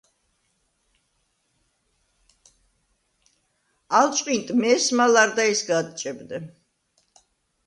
ალ ჭყინტ მეს̄მა ლარდაისგა ადჭებდე.